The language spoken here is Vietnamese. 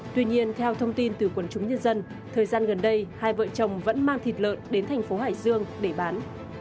tuy nhiên theo thông tin từ quần chúng nhân dân thời gian gần đây hai vợ chồng vẫn mang thịt lợn đến thành phố hải dương để bán